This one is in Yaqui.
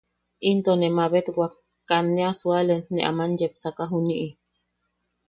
Into ne mabetwak katne a sualen ne aman yepsaka juni’i.